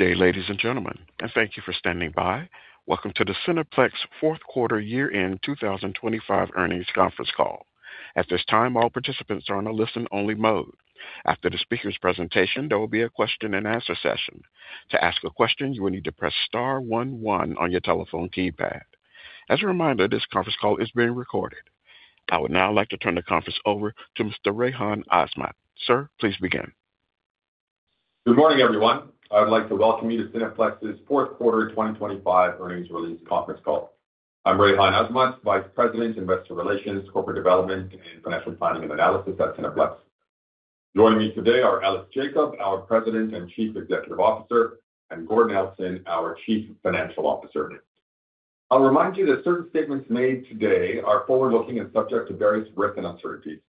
Good day, ladies and gentlemen, and thank you for standing by. Welcome to the Cineplex fourth-quarter year-end 2025 earnings conference call. At this time, all participants are on a listen-only mode. After the speaker's presentation, there will be a question-and-answer session. To ask a question, you will need to press star 11 on your telephone keypad. As a reminder, this conference call is being recorded. I would now like to turn the conference over to Mr. Rayhan Azmat. Sir, please begin. Good morning, everyone. I'd like to welcome you to Cineplex's fourth-quarter 2025 earnings release conference call. I'm Rayhan Azmat, Vice President, Investor Relations, Corporate Development, and Financial Planning and Analysis at Cineplex. Joining me today are Ellis Jacob, our President and Chief Executive Officer, and Gordon Nelson, our Chief Financial Officer. I'll remind you that certain statements made today are forward-looking and subject to various risks and uncertainties.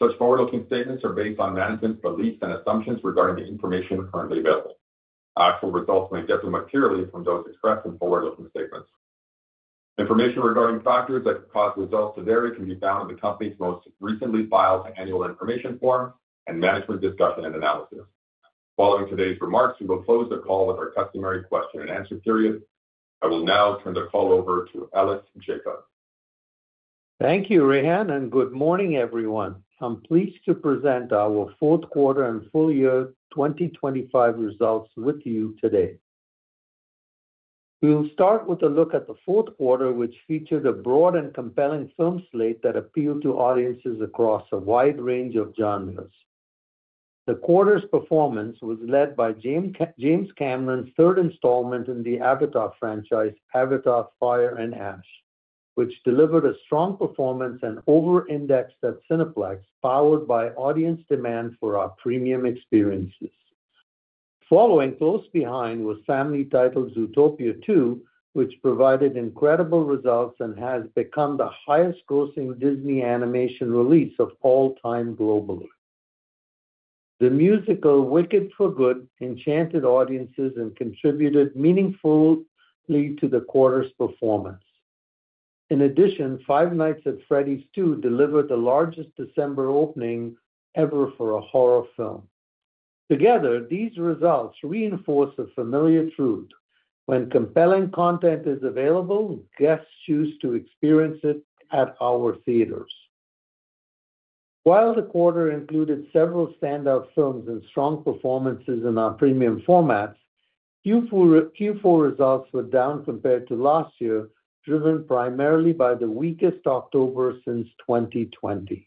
Such forward-looking statements are based on management's beliefs and assumptions regarding the information currently available. Actual results may differ materially from those expressed in forward-looking statements. Information regarding factors that could cause results to vary can be found in the company's most recently filed annual information form and management discussion and analysis. Following today's remarks, we will close the call with our customary question-and-answer period. I will now turn the call over to Ellis Jacob. Thank you, Rayhan, and good morning, everyone. I'm pleased to present our fourth-quarter and full year 2025 results with you today. We'll start with a look at the fourth quarter, which featured a broad and compelling film slate that appealed to audiences across a wide range of genres. The quarter's performance was led by James Cameron's third installment in the Avatar franchise, Avatar: Fire and Ash, which delivered a strong performance and over-indexed at Cineplex, powered by audience demand for our premium experiences. Following close behind was family-titled Zootopia 2, which provided incredible results and has become the highest-grossing Disney animation release of all time globally. The musical Wicked Part Two enchanted audiences and contributed meaningfully to the quarter's performance. In addition, Five Nights at Freddy's 2 delivered the largest December opening ever for a horror film. Together, these results reinforce a familiar truth: when compelling content is available, guests choose to experience it at our theaters. While the quarter included several standout films and strong performances in our premium formats, Q4 results were down compared to last year, driven primarily by the weakest October since 2020.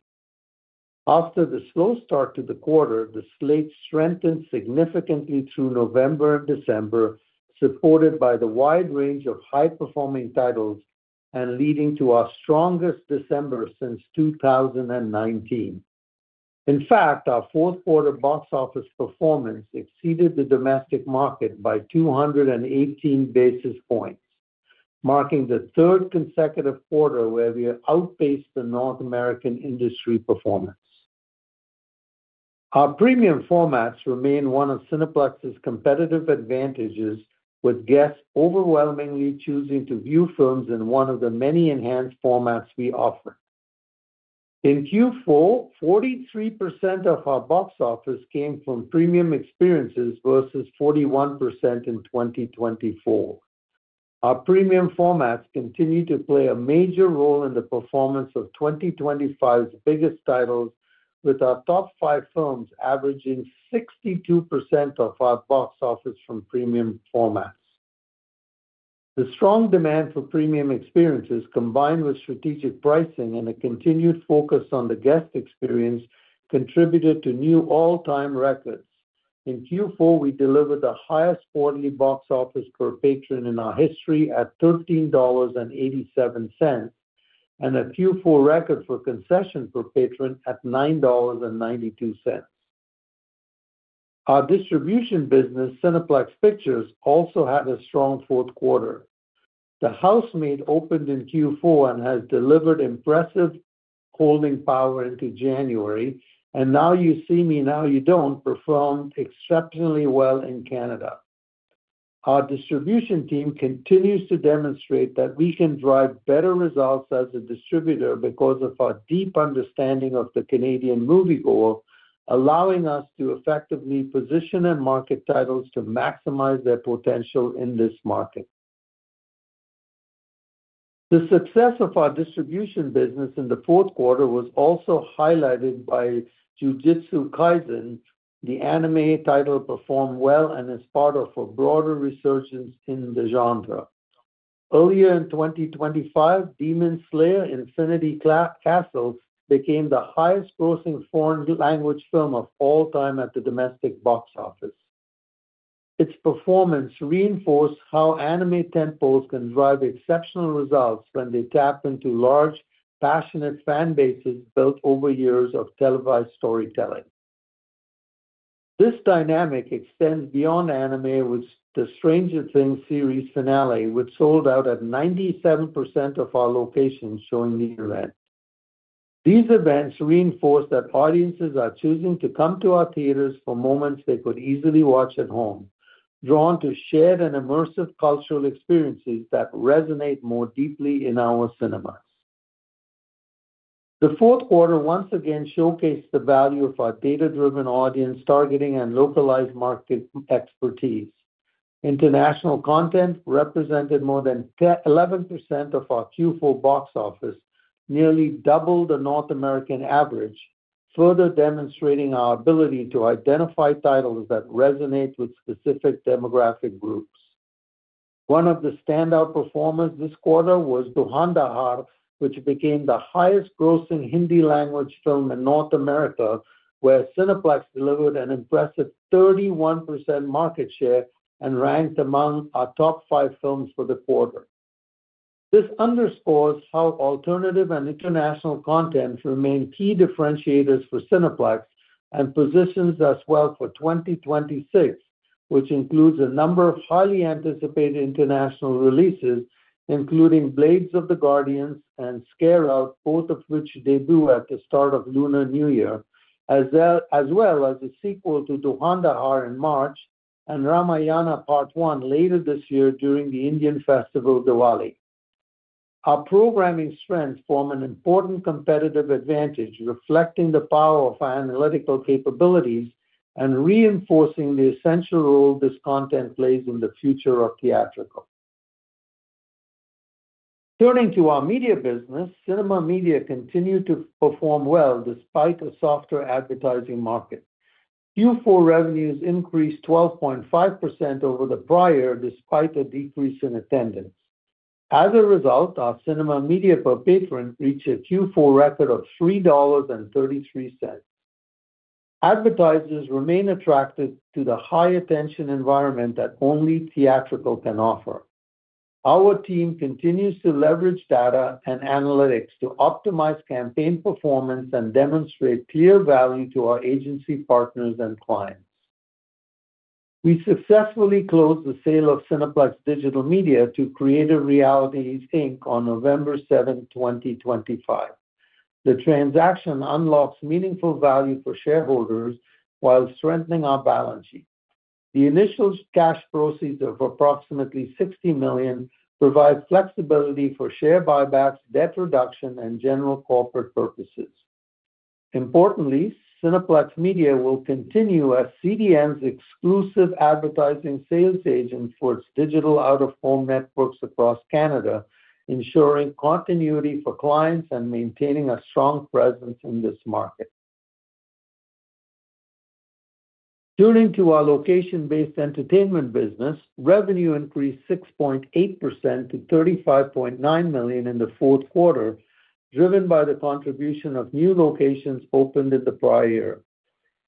After the slow start to the quarter, the slate strengthened significantly through November and December, supported by the wide range of high-performing titles and leading to our strongest December since 2019. In fact, our fourth-quarter box office performance exceeded the domestic market by 218 basis points, marking the third consecutive quarter where we outpaced the North American industry performance. Our premium formats remain one of Cineplex's competitive advantages, with guests overwhelmingly choosing to view films in one of the many enhanced formats we offer. In Q4, 43% of our box office came from premium experiences versus 41% in 2024. Our premium formats continue to play a major role in the performance of 2025's biggest titles, with our top five films averaging 62% of our box office from premium formats. The strong demand for premium experiences, combined with strategic pricing and a continued focus on the guest experience, contributed to new all-time records. In Q4, we delivered the highest quarterly box office per patron in our history at 13.87 dollars and a Q4 record for concession per patron at 9.92 dollars. Our distribution business, Cineplex Pictures, also had a strong fourth quarter. The Housemaid opened in Q4 and has delivered impressive holding power into January, and Now You See Me Now You Don't performed exceptionally well in Canada. Our distribution team continues to demonstrate that we can drive better results as a distributor because of our deep understanding of the Canadian moviegoer, allowing us to effectively position and market titles to maximize their potential in this market. The success of our distribution business in the fourth quarter was also highlighted by Jujutsu Kaisen. The anime title performed well and is part of a broader resurgence in the genre. Earlier in 2025, Demon Slayer: Infinity Castle became the highest-grossing foreign-language film of all time at the domestic box office. Its performance reinforced how anime titles can drive exceptional results when they tap into large, passionate fanbases built over years of televised storytelling. This dynamic extends beyond anime with Stranger Things series finale, which sold out at 97% of our locations showing the event. These events reinforce that audiences are choosing to come to our theaters for moments they could easily watch at home, drawn to shared and immersive cultural experiences that resonate more deeply in our cinemas. The fourth quarter once again showcased the value of our data-driven audience targeting and localized market expertise. International content represented more than 11% of our Q4 box office, nearly double the North American average, further demonstrating our ability to identify titles that resonate with specific demographic groups. One of the standout performers this quarter was Devara, which became the highest-grossing Hindi-language film in North America, where Cineplex delivered an impressive 31% market share and ranked among our top 5 films for the quarter. This underscores how alternative and international content remain key differentiators for Cineplex and positions us well for 2026, which includes a number of highly anticipated international releases, including Blades of the Guardians and Scare Out, both of which debut at the start of Lunar New Year, as well as a sequel to Dhurandhar in March and Ramayana: Part 1 later this year during the Indian festival Diwali. Our programming strengths form an important competitive advantage, reflecting the power of our analytical capabilities and reinforcing the essential role this content plays in the future of theatrical. Turning to our media business, cinema media continue to perform well despite a softer advertising market. Q4 revenues increased 12.5% over the prior despite a decrease in attendance. As a result, our cinema media per patron reached a Q4 record of 3.33 dollars. Advertisers remain attracted to the high-attention environment that only theatrical can offer. Our team continues to leverage data and analytics to optimize campaign performance and demonstrate clear value to our agency partners and clients. We successfully closed the sale of Cineplex Digital Media to Creative Realities, Inc. on November 7, 2025. The transaction unlocks meaningful value for shareholders while strengthening our balance sheet. The initial cash proceeds of approximately 60 million provide flexibility for share buybacks, debt reduction, and general corporate purposes. Importantly, Cineplex Media will continue as CDM's exclusive advertising sales agent for its digital out-of-home networks across Canada, ensuring continuity for clients and maintaining a strong presence in this market. Turning to our location-based entertainment business, revenue increased 6.8% to 35.9 million in the fourth quarter, driven by the contribution of new locations opened in the prior year.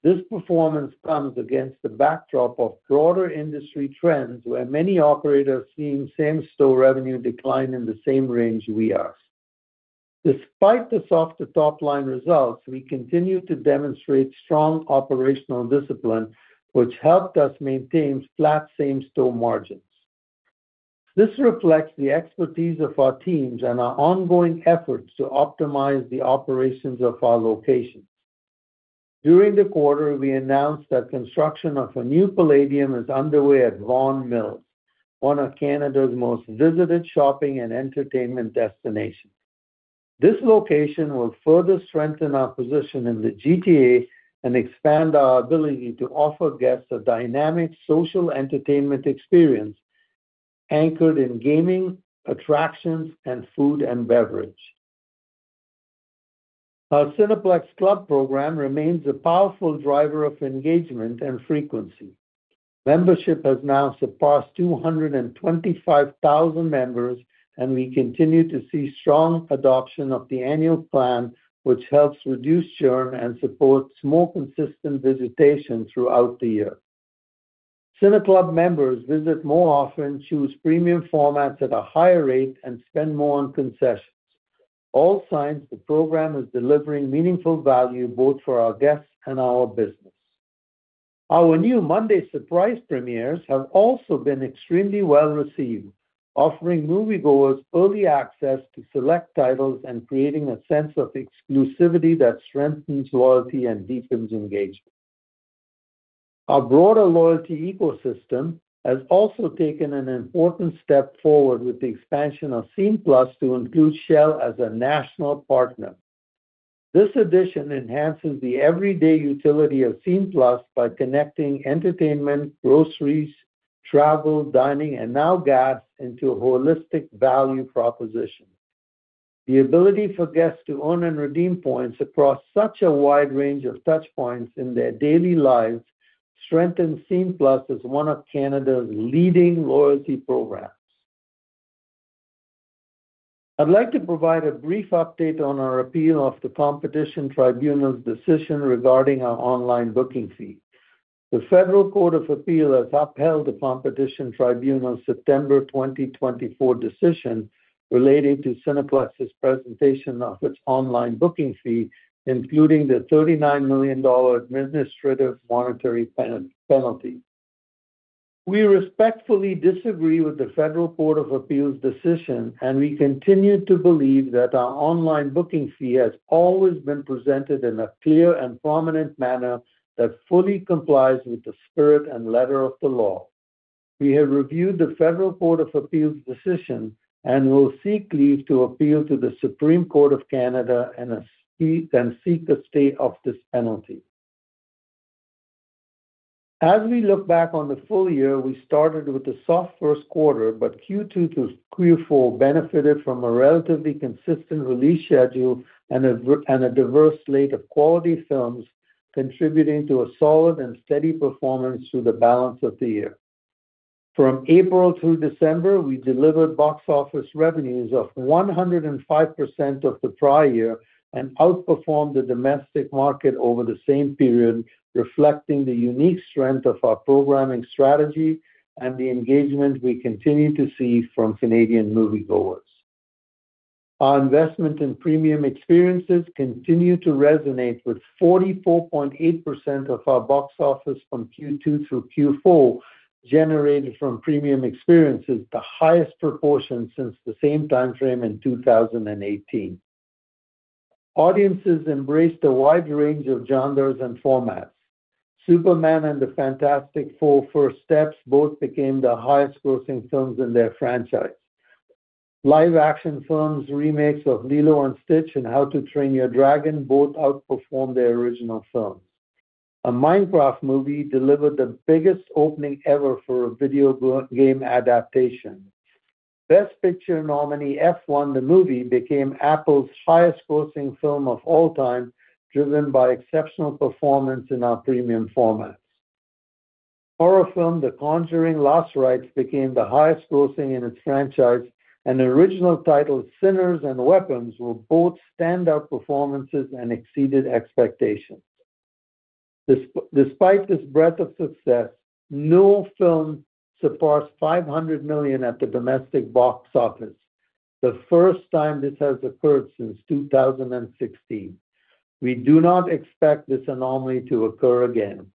This performance comes against the backdrop of broader industry trends where many operators see same-store revenue decline in the same range we are. Despite the softer top-line results, we continue to demonstrate strong operational discipline, which helped us maintain flat same-store margins. This reflects the expertise of our teams and our ongoing efforts to optimize the operations of our locations. During the quarter, we announced that construction of a new Playdium is underway at Vaughan Mills, one of Canada's most visited shopping and entertainment destinations. This location will further strengthen our position in the GTA and expand our ability to offer guests a dynamic social entertainment experience anchored in gaming, attractions, and food and beverage. Our CineClub program remains a powerful driver of engagement and frequency. Membership has now surpassed 225,000 members, and we continue to see strong adoption of the annual plan, which helps reduce churn and supports more consistent visitation throughout the year. CineClub members visit more often, choose premium formats at a higher rate, and spend more on concessions, all signs the program is delivering meaningful value both for our guests and our business. Our new Monday surprise premieres have also been extremely well-received, offering moviegoers early access to select titles and creating a sense of exclusivity that strengthens loyalty and deepens engagement. Our broader loyalty ecosystem has also taken an important step forward with the expansion of Scene+ to include Shell as a national partner. This addition enhances the everyday utility of Scene+ by connecting entertainment, groceries, travel, dining, and now gas into a holistic value proposition. The ability for guests to earn and redeem points across such a wide range of touchpoints in their daily lives strengthens SCENE+ as one of Canada's leading loyalty programs. I'd like to provide a brief update on our appeal of the Competition Tribunal's decision regarding our online booking fee. The Federal Court of Appeal has upheld the Competition Tribunal's September 2024 decision relating to Cineplex's presentation of its online booking fee, including the 39 million dollar administrative monetary penalty. We respectfully disagree with the Federal Court of Appeal's decision, and we continue to believe that our online booking fee has always been presented in a clear and prominent manner that fully complies with the spirit and letter of the law. We have reviewed the Federal Court of Appeal's decision and will seek leave to appeal to the Supreme Court of Canada and seek a stay of this penalty. As we look back on the full year, we started with a soft first quarter, but Q2 through Q4 benefited from a relatively consistent release schedule and a diverse slate of quality films, contributing to a solid and steady performance through the balance of the year. From April through December, we delivered box office revenues of 105% of the prior year and outperformed the domestic market over the same period, reflecting the unique strength of our programming strategy and the engagement we continue to see from Canadian moviegoers. Our investment in premium experiences continues to resonate with 44.8% of our box office from Q2 through Q4, generated from premium experiences, the highest proportion since the same time frame in 2018. Audiences embraced a wide range of genres and formats. Superman and The Fantastic Four: First Steps both became the highest-grossing films in their franchise. Live-action films remakes of Lilo & Stitch and How to Train Your Dragon both outperformed their original films. A Minecraft Movie delivered the biggest opening ever for a video game adaptation. Best Picture nominee F1: The Movie became Apple's highest-grossing film of all time, driven by exceptional performance in our premium formats. Horror film The Conjuring: Last Rites became the highest-grossing in its franchise, and the original titles Sinners and Weapons were both standout performances and exceeded expectations. Despite this breadth of success, no film surpassed $500 million at the domestic box office, the first time this has occurred since 2016. We do not expect this anomaly to occur again.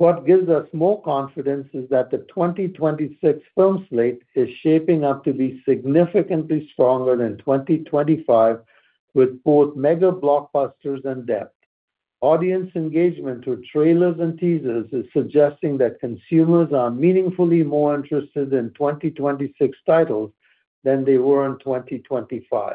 What gives us more confidence is that the 2026 film slate is shaping up to be significantly stronger than 2025, with both mega blockbusters and depth. Audience engagement through trailers and teasers is suggesting that consumers are meaningfully more interested in 2026 titles than they were in 2025.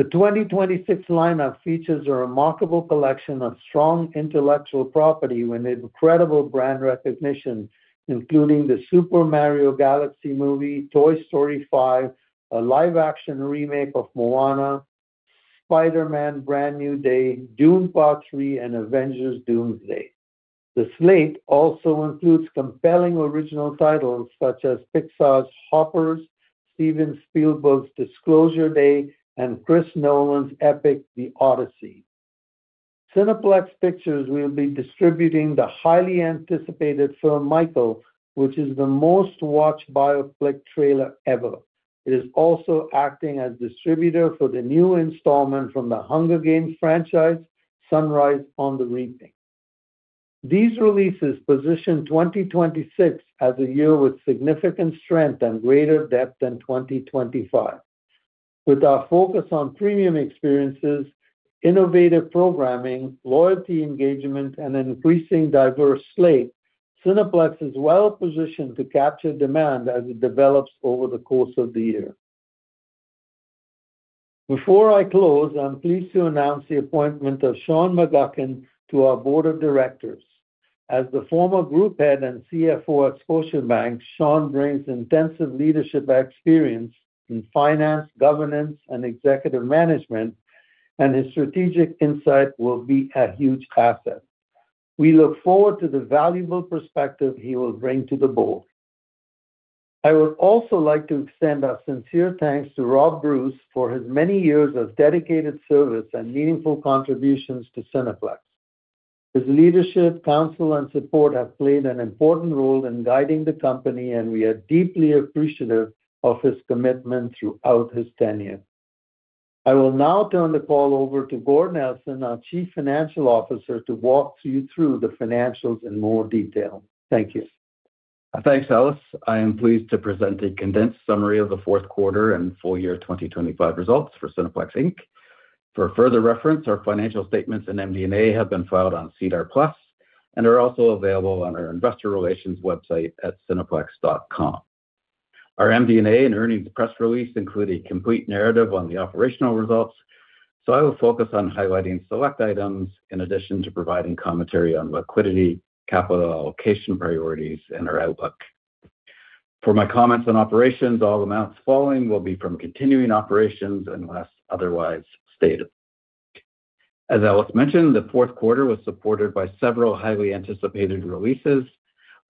The 2026 lineup features a remarkable collection of strong intellectual property with incredible brand recognition, including The Super Mario Bros. Movie 2, Toy Story 5, a live-action remake of Moana, Spider-Man: Brand New Day, Dune: Part Three, and Avengers: Doomsday. The slate also includes compelling original titles such as Pixar's Hoppers, Steven Spielberg's Disclosure Day, and Christopher Nolan's epic The Odyssey. Cineplex Pictures will be distributing the highly anticipated film Michael, which is the most-watched biopic trailer ever. It is also acting as distributor for the new installment from the Hunger Games franchise, Sunrise on the Reaping. These releases position 2026 as a year with significant strength and greater depth than 2025. With our focus on premium experiences, innovative programming, loyalty engagement, and an increasing diverse slate, Cineplex is well positioned to capture demand as it develops over the course of the year. Before I close, I'm pleased to announce the appointment of Sean McGuckin to our board of directors. As the former group head and CFO at Scotiabank, Sean brings extensive leadership experience in finance, governance, and executive management, and his strategic insight will be a huge asset. We look forward to the valuable perspective he will bring to the board. I would also like to extend our sincere thanks to Rob Bruce for his many years of dedicated service and meaningful contributions to Cineplex. His leadership, counsel, and support have played an important role in guiding the company, and we are deeply appreciative of his commitment throughout his tenure. I will now turn the call over to Gordon Nelson, our Chief Financial Officer, to walk you through the financials in more detail. Thank you. Thanks, Ellis. I am pleased to present a condensed summary of the fourth quarter and full year 2025 results for Cineplex, Inc. For further reference, our financial statements and MD&A have been filed on SEDAR+ and are also available on our investor relations website at cineplex.com. Our MD&A and earnings press release include a complete narrative on the operational results, so I will focus on highlighting select items in addition to providing commentary on liquidity, capital allocation priorities, and our outlook. For my comments on operations, all amounts following will be from continuing operations unless otherwise stated. As Ellis mentioned, the fourth quarter was supported by several highly anticipated releases.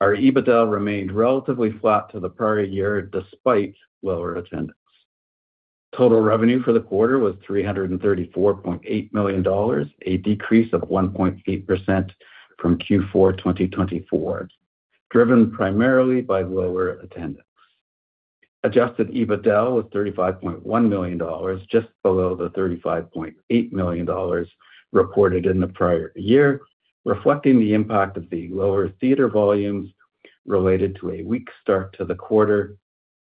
Our EBITDA remained relatively flat to the prior year despite lower attendance. Total revenue for the quarter was 334.8 million dollars, a decrease of 1.8% from Q4 2024, driven primarily by lower attendance. Adjusted EBITDA was 35.1 million dollars, just below the 35.8 million dollars reported in the prior year, reflecting the impact of the lower theater volumes related to a weak start to the quarter,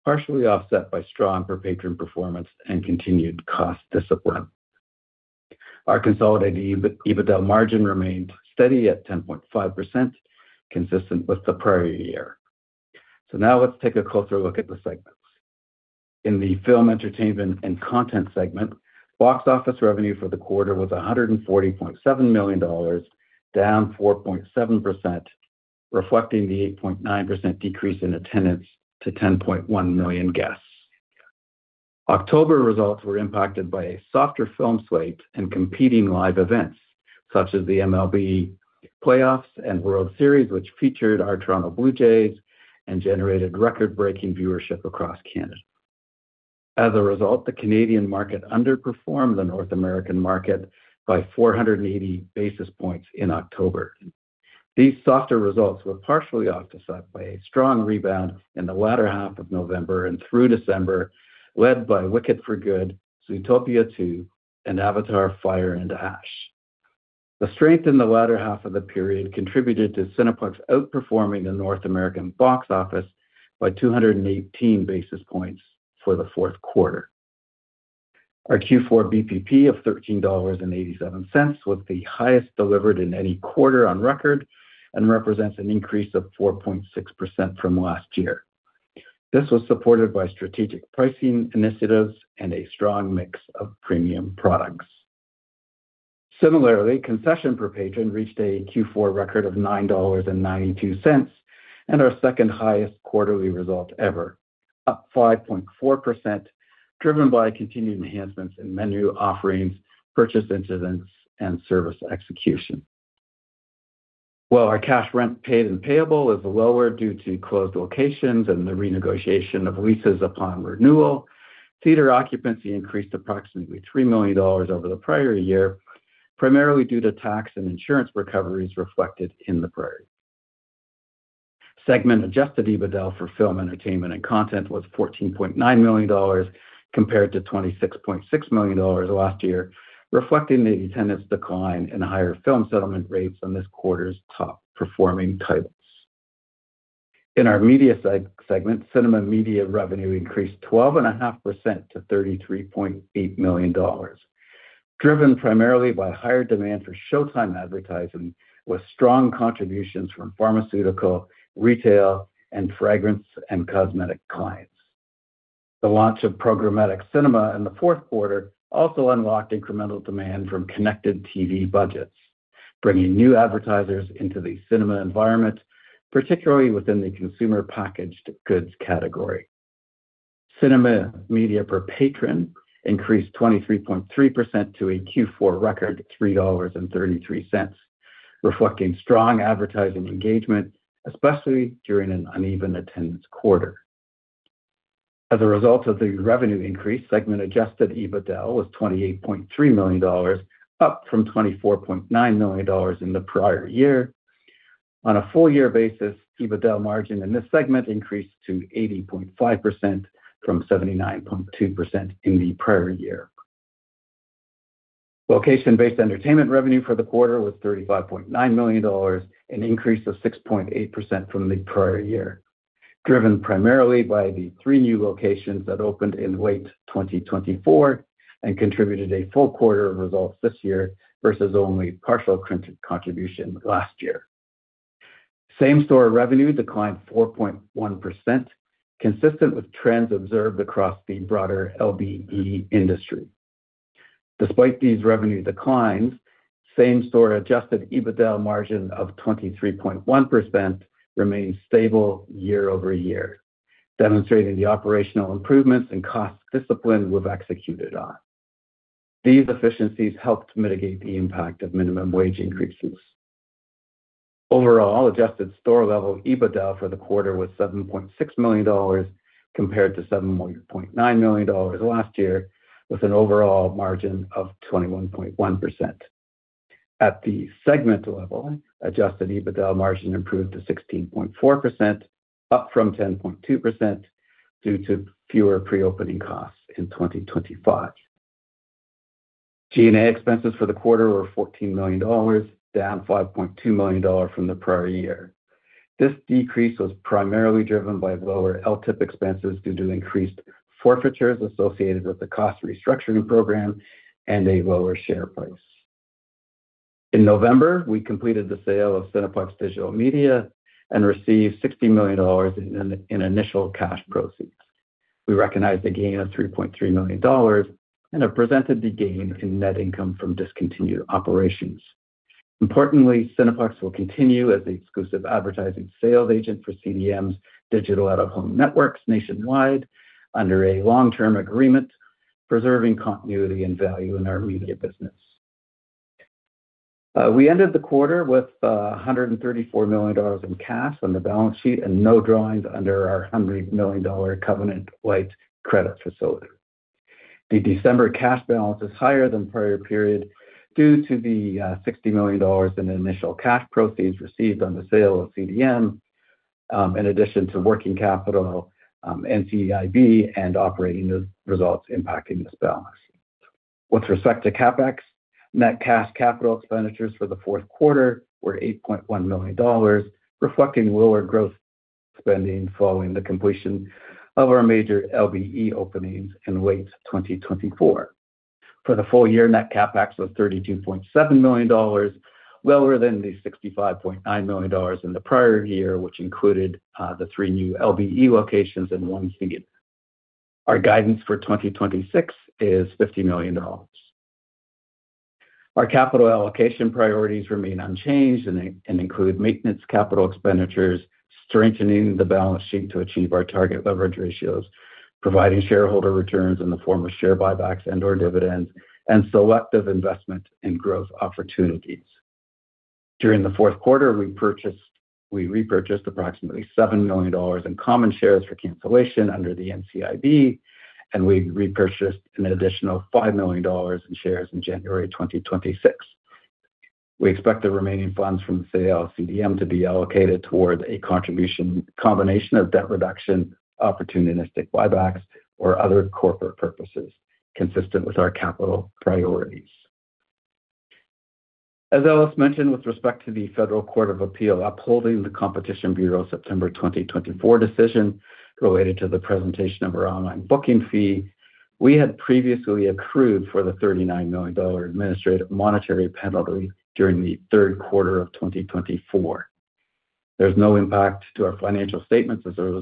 partially offset by strong per-patron performance and continued cost discipline. Our consolidated EBITDA margin remained steady at 10.5%, consistent with the prior year. Now let's take a closer look at the segments. In the film entertainment and content segment, box office revenue for the quarter was 140.7 million dollars, down 4.7%, reflecting the 8.9% decrease in attendance to 10.1 million guests. October results were impacted by a softer film slate and competing live events such as the MLB playoffs and World Series, which featured our Toronto Blue Jays and generated record-breaking viewership across Canada. As a result, the Canadian market underperformed the North American market by 480 basis points in October. These softer results were partially offset by a strong rebound in the latter half of November and through December, led by Wicked part 2, Zootopia 2, and Avatar: Fire and Ash. The strength in the latter half of the period contributed to Cineplex outperforming the North American box office by 218 basis points for the fourth quarter. Our Q4 BPP of $13.87 was the highest delivered in any quarter on record and represents an increase of 4.6% from last year. This was supported by strategic pricing initiatives and a strong mix of premium products. Similarly, concession per patron reached a Q4 record of $9.92 and our second highest quarterly result ever, up 5.4%, driven by continued enhancements in menu offerings, purchase incidents, and service execution. While our cash rent paid and payable is lower due to closed locations and the renegotiation of leases upon renewal, theater occupancy increased approximately 3 million dollars over the prior year, primarily due to tax and insurance recoveries reflected in the prior year. Segment Adjusted EBITDA for film entertainment and content was 14.9 million dollars compared to 26.6 million dollars last year, reflecting the attendance decline and higher film settlement rates on this quarter's top performing titles. In our media segment, cinema media revenue increased 12.5% to 33.8 million dollars, driven primarily by higher demand for showtime advertising with strong contributions from pharmaceutical, retail, and fragrance and cosmetic clients. The launch of Programmatic Cinema in the fourth quarter also unlocked incremental demand from connected TV budgets, bringing new advertisers into the cinema environment, particularly within the consumer packaged goods category. Cinema media per patron increased 23.3% to a Q4 record of 3.33, reflecting strong advertising engagement, especially during an uneven attendance quarter. As a result of the revenue increase, segment adjusted EBITDA was 28.3 million dollars, up from 24.9 million dollars in the prior year. On a full year basis, EBITDA margin in this segment increased to 80.5% from 79.2% in the prior year. Location-based entertainment revenue for the quarter was 35.9 million dollars, an increase of 6.8% from the prior year, driven primarily by the three new locations that opened in late 2024 and contributed a full quarter of results this year versus only partial contribution last year. Same-store revenue declined 4.1%, consistent with trends observed across the broader LBE industry. Despite these revenue declines, same-store adjusted EBITDA margin of 23.1% remains stable year over year, demonstrating the operational improvements and cost discipline we've executed on. These efficiencies helped mitigate the impact of minimum wage increases. Overall, Adjusted store-level EBITDA for the quarter was 7.6 million dollars compared to 7.9 million dollars last year, with an overall margin of 21.1%. At the segment level, adjusted EBITDA margin improved to 16.4%, up from 10.2% due to fewer pre-opening costs in 2025. G&A expenses for the quarter were 14 million dollars, down 5.2 million dollars from the prior year. This decrease was primarily driven by lower LTIP expenses due to increased forfeitures associated with the cost restructuring program and a lower share price. In November, we completed the sale of Cineplex Digital Media and received 60 million dollars in initial cash proceeds. We recognized a gain of 3.3 million dollars and have presented the gain in net income from discontinued operations. Importantly, Cineplex will continue as the exclusive advertising sales agent for CDM's digital out-of-home networks nationwide under a long-term agreement, preserving continuity and value in our media business. We ended the quarter with 134 million dollars in cash on the balance sheet and no drawings under our 100 million dollar covenant-lite credit facility. The December cash balance is higher than prior period due to the 60 million dollars in initial cash proceeds received on the sale of CDM, in addition to working capital, NCEIB, and operating results impacting this balance. With respect to CapEx, net cash capital expenditures for the fourth quarter were 8.1 million dollars, reflecting lower growth spending following the completion of our major LBE openings in late 2024. For the full year, net CapEx was 32.7 million dollars, lower than the 65.9 million dollars in the prior year, which included the three new LBE locations and one theater. Our guidance for 2026 is 50 million dollars. Our capital allocation priorities remain unchanged and include maintenance capital expenditures, strengthening the balance sheet to achieve our target leverage ratios, providing shareholder returns in the form of share buybacks and/or dividends, and selective investment and growth opportunities. During the fourth quarter, we repurchased approximately 7 million dollars in common shares for cancellation under the NCEIB, and we repurchased an additional 5 million dollars in shares in January 2026. We expect the remaining funds from the sale of CDM to be allocated toward a contribution combination of debt reduction, opportunistic buybacks, or other corporate purposes, consistent with our capital priorities. As Ellis mentioned, with respect to the Federal Court of Appeal upholding the Competition Bureau September 2024 decision related to the presentation of our online booking fee, we had previously accrued for the 39 million dollar administrative monetary penalty during the third quarter of 2024. There's no impact to our financial statements as a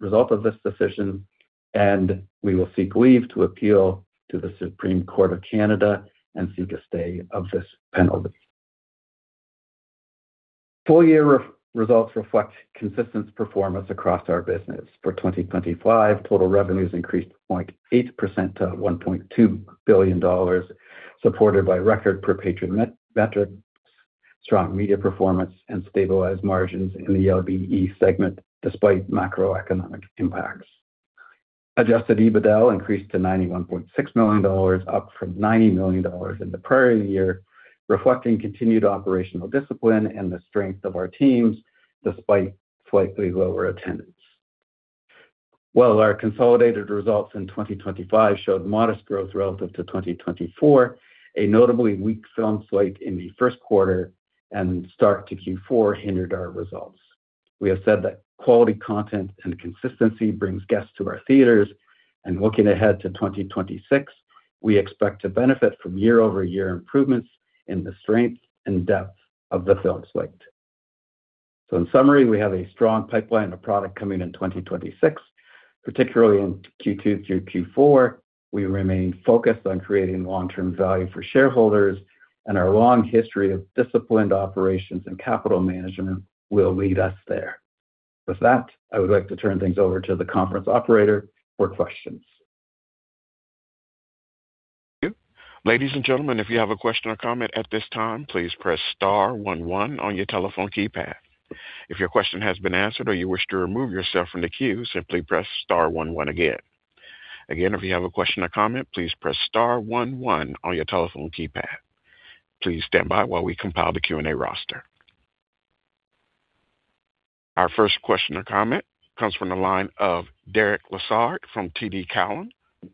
result of this decision, and we will seek leave to appeal to the Supreme Court of Canada and seek a stay of this penalty. Full year results reflect consistent performance across our business. For 2025, total revenues increased 0.8% to CAD 1.2 billion, supported by record per-patron metrics, strong media performance, and stabilized margins in the LBE segment despite macroeconomic impacts. Adjusted EBITDA increased to 91.6 million dollars, up from 90 million dollars in the prior year, reflecting continued operational discipline and the strength of our teams despite slightly lower attendance. While our consolidated results in 2025 showed modest growth relative to 2024, a notably weak film slate in the first quarter and start to Q4 hindered our results. We have said that quality content and consistency brings guests to our theaters, and looking ahead to 2026, we expect to benefit from year-over-year improvements in the strength and depth of the film slate. So in summary, we have a strong pipeline of product coming in 2026. Particularly in Q2 through Q4, we remain focused on creating long-term value for shareholders, and our long history of disciplined operations and capital management will lead us there. With that, I would like to turn things over to the conference operator for questions. Ladies and gentlemen, if you have a question or comment at this time, please press star 11 on your telephone keypad. If your question has been answered or you wish to remove yourself from the queue, simply press star 11 again. Again, if you have a question or comment, please press star 11 on your telephone keypad. Please stand by while we compile the Q&A roster. Our first question or comment comes from the line of Derek Lessard from TD Cowen.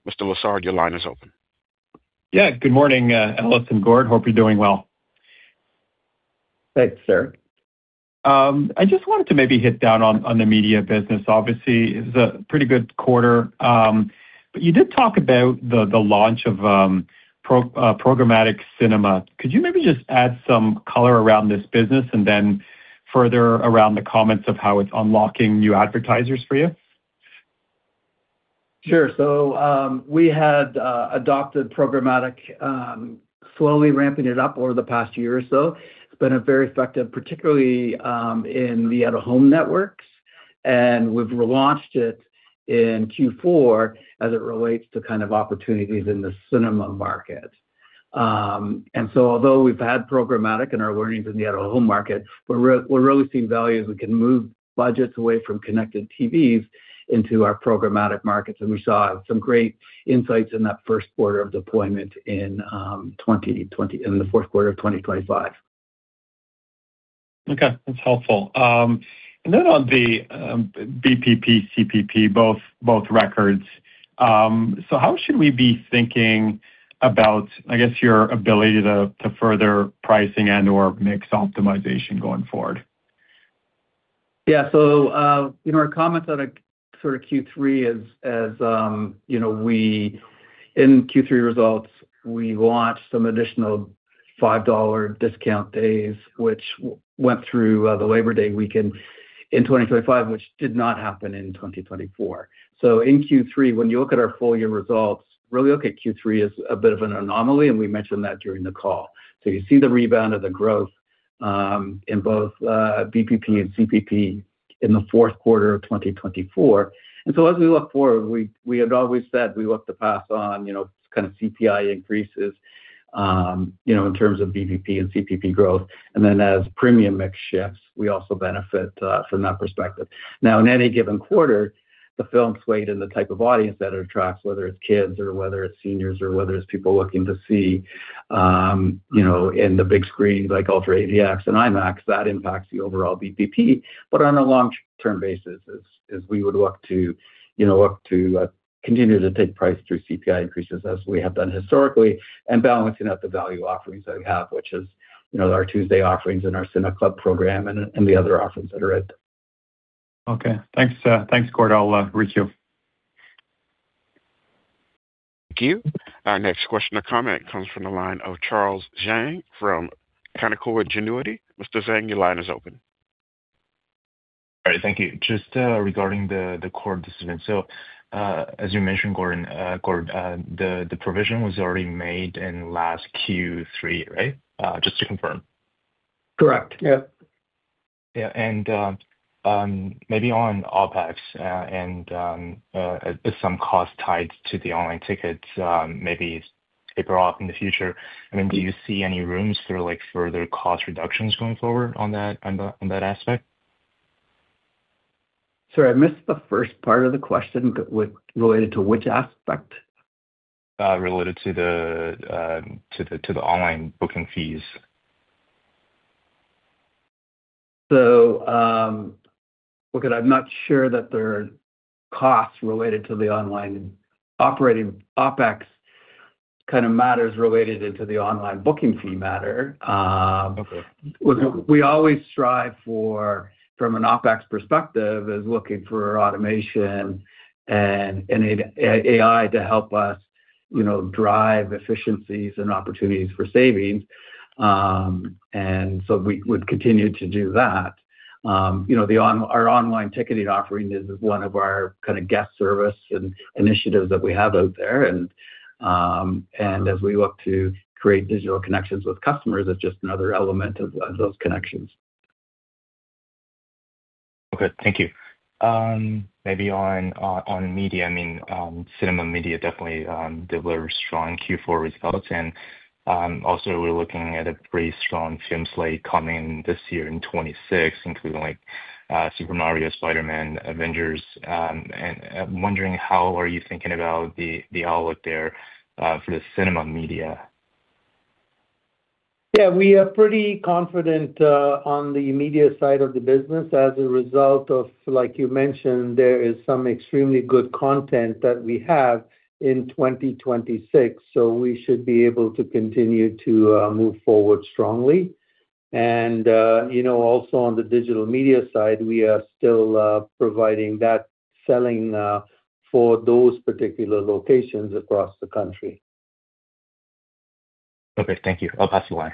Mr. Lessard, your line is open. Yeah. Good morning, Ellis and Gord. Hope you're doing well. Thanks, Derek. I just wanted to maybe hit down on the media business. Obviously, it was a pretty good quarter. But you did talk about the launch of programmatic cinema. Could you maybe just add some color around this business and then further around the comments of how it's unlocking new advertisers for you? Sure. So we had adopted programmatic, slowly ramping it up over the past year or so. It's been very effective, particularly in the out-of-home networks. And we've relaunched it in Q4 as it relates to kind of opportunities in the cinema market. Although we've had programmatic and our learnings in the out-of-home market, we're really seeing value as we can move budgets away from connected TVs into our programmatic markets. And we saw some great insights in that first quarter of deployment in the fourth quarter of 2025. Okay. That's helpful. And then on the BPP, CPP, both records, so how should we be thinking about, I guess, your ability to further pricing and/or mix optimization going forward? Yeah. So our comments on sort of Q3 is in Q3 results, we launched some additional 5 dollar discount days, which went through the Labor Day weekend in 2025, which did not happen in 2024. So in Q3, when you look at our full year results, really look at Q3 as a bit of an anomaly, and we mentioned that during the call. The rebound of the growth in both BPP and CPP in the fourth quarter of 2024. And so as we look forward, we had always said we look to pass on kind of CPI increases in terms of BPP and CPP growth. And then as premium mix shifts, we also benefit from that perspective. Now, in any given quarter, the film slate and the type of audience that it attracts, whether it's kids or whether it's seniors or whether it's people looking to see in the big screens like UltraAVX and IMAX, that impacts the overall BPP. But on a long-term basis, we would look to continue to take price through CPI increases as we have done historically and balancing out the value offerings that we have, which is our Tuesday offerings and our CineClub program and the other offerings that are at the. Okay. Thanks, Gord. I'll reach you. Thank you. Our next question or comment comes from the line of Charles Zhang from Canaccord Genuity. Mr. Zhang, your line is open. All right. Thank you. Just regarding the court decision. So as you mentioned, Gord, the provision was already made in last Q3, right? Just to confirm. Correct. Yep. Yeah. And maybe on OpEx and some costs tied to the online tickets, maybe it's pay off in the future. I mean, do you see any room for further cost reductions going forward on that aspect? Sorry. I missed the first part of the question related to which aspect? Related to the online booking fees. So look at it. I'm not sure that there are costs related to the online operating OpEx kind of matters related into the online booking fee matter. We always strive for, from an OpEx perspective, is looking for automation and AI to help us drive efficiencies and opportunities for savings. So we would continue to do that. Our online ticketing offering is one of our kind of guest service initiatives that we have out there. As we look to create digital connections with customers, it's just another element of those connections. Okay. Thank you. Maybe on media, I mean, cinema media definitely delivered strong Q4 results. Also, we're looking at a pretty strong film slate coming this year in 2026, including Super Mario, Spider-Man, Avengers. I'm wondering, how are you thinking about the outlook there for the cinema media? Yeah. We are pretty confident on the media side of the business. As a result of, like you mentioned, there is some extremely good content that we have in 2026. We should be able to continue to move forward strongly. And also on the digital media side, we are still providing that selling for those particular locations across the country. Okay. Thank you. I'll pass the line.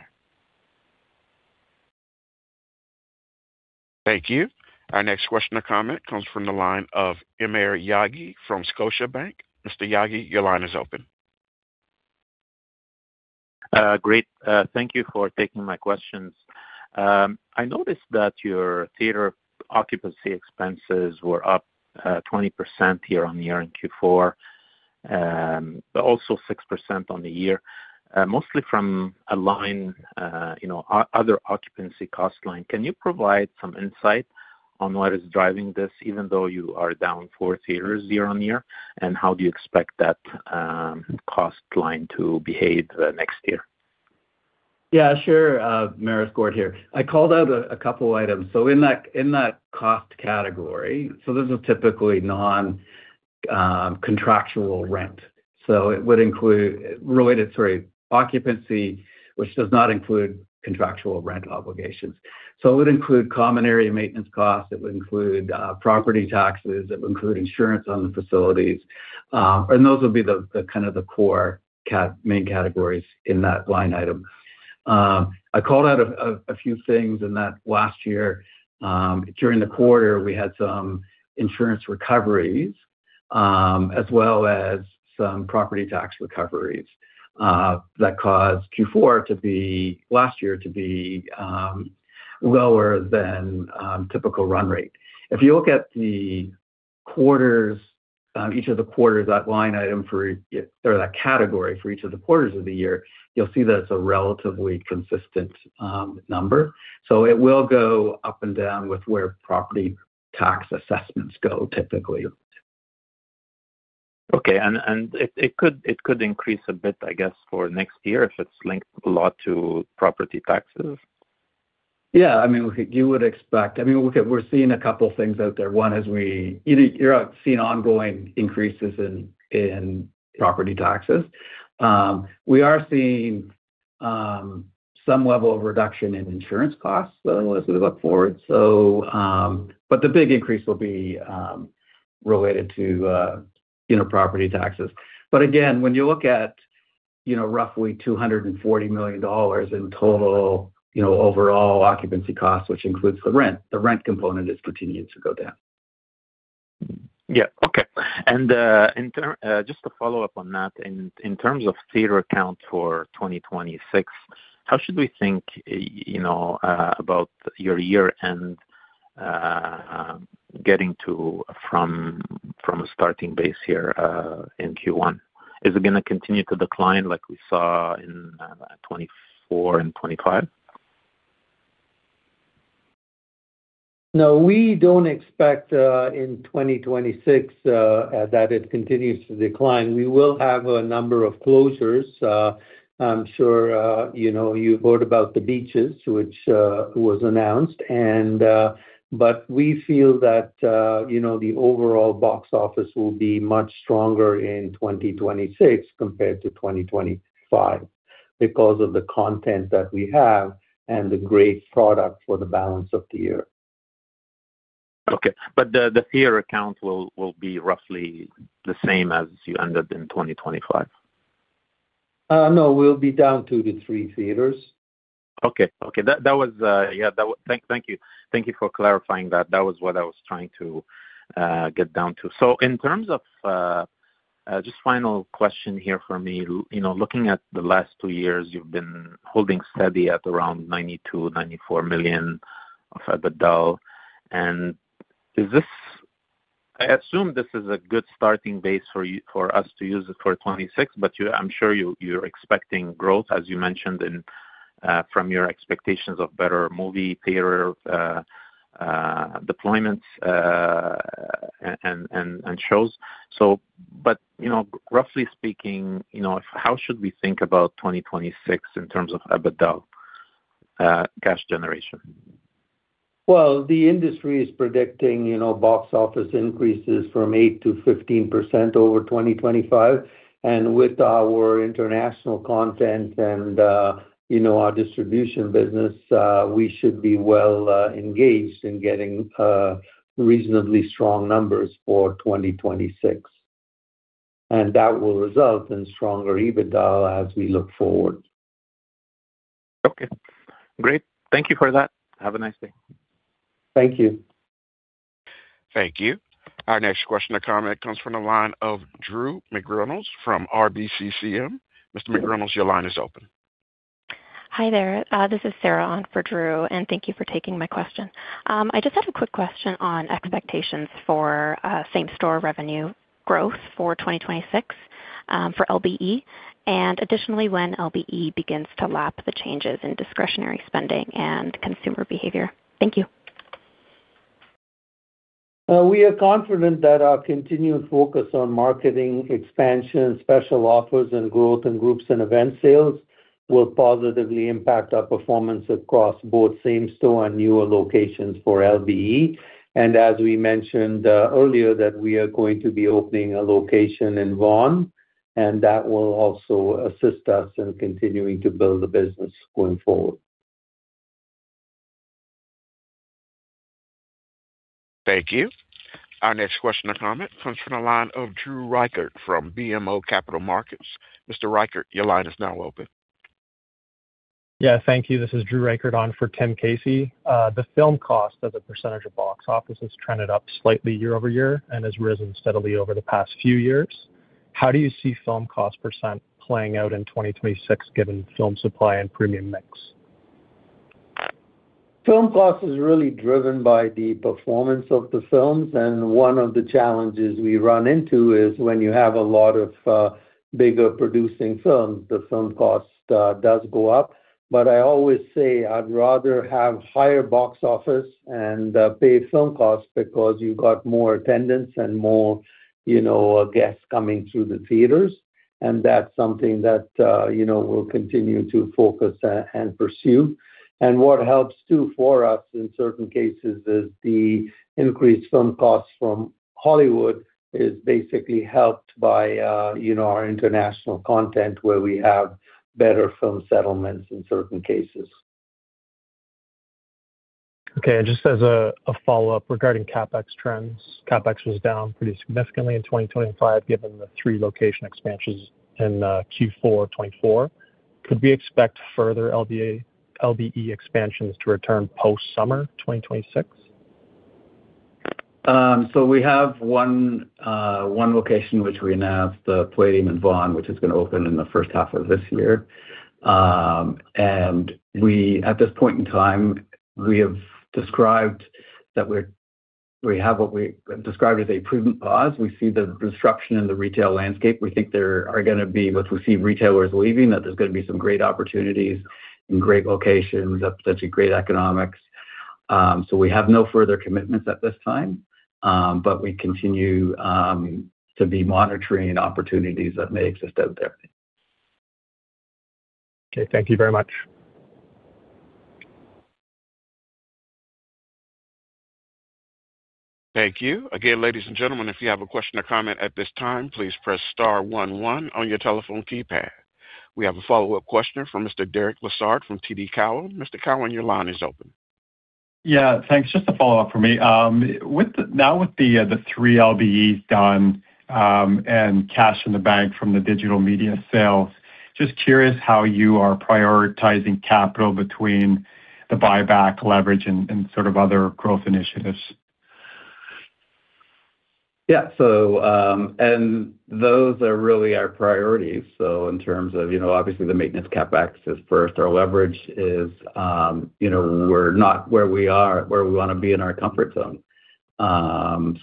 Thank you. Our next question or comment comes from the line of Maher Yaghi from Scotiabank. Mr. Yaghi, your line is open. Great. Thank you for taking my questions. I noticed that your theater occupancy expenses were up 20% year-over-year in Q4, but also 6% on the year, mostly from a line other occupancy cost line. Can you provide some insight on what is driving this, even though you are down four theaters year-over-year, and how do you expect that cost line to behave next year? Yeah. Sure. Gord Nelson here. I called out a couple of items. In that cost category, this is typically non-contractual rent. It would include related, sorry, occupancy, which does not include contractual rent obligations. It would include common area maintenance costs. It would include property taxes. It would include insurance on the facilities. And those would be kind of the core main categories in that line item. I called out a few things in that last year. During the quarter, we had some insurance recoveries as well as some property tax recoveries that caused Q4 to be last year to be lower than typical run rate. If you look at each of the quarters, that line item for or that category for each of the quarters of the year, you'll see that it's a relatively consistent number. It will go up and down with where property tax assessments go, typically. Okay. It could increase a bit, I guess, for next year if it's linked a lot to property taxes? Yeah. I mean, you would expect I mean, look at it. We're seeing a couple of things out there. One is we're seeing ongoing increases in property taxes. We are seeing some level of reduction in insurance costs, though, as we look forward. But the big increase will be related to property taxes. But again, when you look at roughly 240 million dollars in total overall occupancy costs, which includes the rent, the rent component is continuing to go down. Yeah. Okay. And just to follow up on that, in terms of theater account for 2026, how should we think about your year-end getting to from a starting base here in Q1? Is it going to continue to decline like we saw in 2024 and 2025? No. We don't expect in 2026 that it continues to decline. We will have a number of closures. I'm sure you heard about The Beaches, which was announced. But we feel that the overall box office will be much stronger in 2026 compared to 2025 because of the content that we have and the great product for the balance of the year. Okay. But the theatre count will be roughly the same as you ended in 2025? No. We'll be down 2-3 theatres. Okay. Okay. Yeah. Thank you. Thank you for clarifying that. That was what I was trying to get down to. So in terms of just final question here for me, looking at the last two years, you've been holding steady at around 92-94 million of EBITDA. I assume this is a good starting base for us to use it for 2026, but I'm sure you're expecting growth, as you mentioned, from your expectations of better movie, theater deployments, and shows. But roughly speaking, how should we think about 2026 in terms of EBITDA cash generation? Well, the industry is predicting box office increases from 8%-15% over 2025. And with our international content and our distribution business, we should be well engaged in getting reasonably strong numbers for 2026. And that will result in stronger EBITDA as we look forward. Okay. Great. Thank you for that. Have a nice day. Thank you. Thank you. Our next question or comment comes from the line of Drew McReynolds from RBC Capital Markets. Mr. McReynolds, your line is open. Hi there. This is Sarah on for Drew. And thank you for taking my question. I just had a quick question on expectations for same-store revenue growth for 2026 for LBE and additionally when LBE begins to lap the changes in discretionary spending and consumer behavior. Thank you. We are confident that our continued focus on marketing, expansion, special offers, and growth in groups and event sales will positively impact our performance across both same-store and newer locations for LBE. And as we mentioned earlier, that we are going to be opening a location in Vaughan. And that will also assist us in continuing to build the business going forward. Thank you. Our next question or comment comes from the line of Drew Reichert from BMO Capital Markets. Mr. Reichert, your line is now open. Yeah. Thank you. This is Drew Reichert on for Tim Casey. The film cost as a percentage of box offices trended up slightly year-over-year and has risen steadily over the past few years. How do you see film cost percent playing out in 2026 given film supply and premium mix? Film cost is really driven by the performance of the films. One of the challenges we run into is when you have a lot of bigger producing films, the film cost does go up. But I always say I'd rather have higher box office and pay film costs because you've got more attendance and more guests coming through the theaters. That's something that we'll continue to focus and pursue. What helps too for us in certain cases is the increased film costs from Hollywood is basically helped by our international content where we have better film settlements in certain cases. Okay. Just as a follow-up regarding CapEx trends, CapEx was down pretty significantly in 2025 given the 3 location expansions in Q4/2024. Could we expect further LBE expansions to return post-summer 2026? We have 1 location, which we now have the Playdium in Vaughan, which is going to open in the first half of this year. And at this point in time, we have described that we have what we described as a prudent pause. We see the disruption in the retail landscape. We think there are going to be once we see retailers leaving, that there's going to be some great opportunities in great locations of potentially great economics. So we have no further commitments at this time, but we continue to be monitoring opportunities that may exist out there. Okay. Thank you very much. Thank you. Again, ladies and gentlemen, if you have a question or comment at this time, please press star 11 on your telephone keypad. We have a follow-up question from Mr. Derek Lessard from TD Cowen. Mr. Lessard, your line is open. Yeah. Thanks. Just a follow-up for me. Now with the three LBEs done and cash in the bank from the digital media sales, just curious how you are prioritizing capital between the buyback leverage and sort of other growth initiatives. Yeah. And those are really our priorities. So in terms of, obviously, the maintenance CapEx is first. Our leverage is we're not where we are, where we want to be in our comfort zone.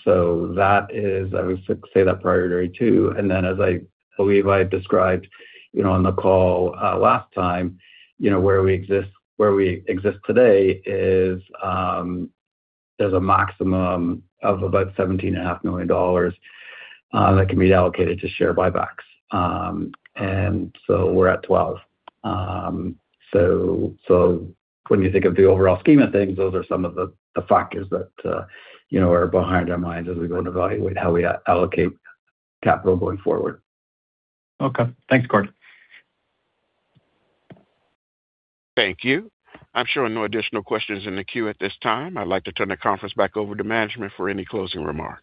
So that is, I would say, that priority too. Then as I believe I described on the call last time, where we exist today is there's a maximum of about 17.5 million dollars that can be allocated to share buybacks. So we're at 12 million. So when you think of the overall scheme of things, those are some of the factors that are behind our minds as we go and evaluate how we allocate capital going forward. Okay. Thanks, Gord. Thank you. I'm sure no additional questions in the queue at this time. I'd like to turn the conference back over to management for any closing remarks.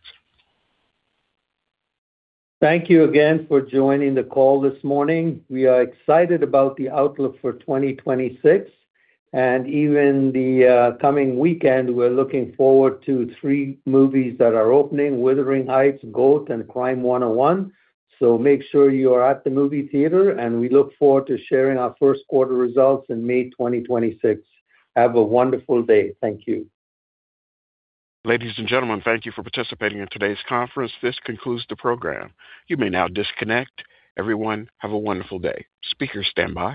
Thank you again for joining the call this morning. We are excited about the outlook for 2026. Even the coming weekend, we're looking forward to three movies that are opening: Wuthering Heights, GOAT, and Crime 101. So make sure you are at the movie theater. We look forward to sharing our first quarter results in May 2026. Have a wonderful day. Thank you. Ladies and gentlemen, thank you for participating in today's conference. This concludes the program. You may now disconnect. Everyone, have a wonderful day. Speaker standby.